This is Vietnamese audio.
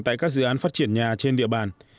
tại các dự án phát triển nhà trên địa bàn